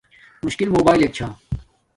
مشکل موباݵلک چھا